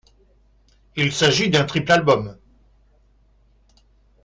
Il s'agit d'un triple album.